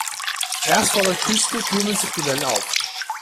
Erst vor der Küste türmen sich die Wellen auf.